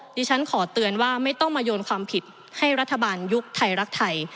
ดิฉันขอเตือนว่าไม่ต้องมาโยนความผิดให้รัฐบาลยุคไทยรักไทย